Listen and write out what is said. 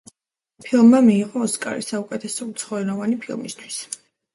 ფილმმა მიიღო ოსკარი საუკეთესო უცხოენოვანი ფილმისთვის.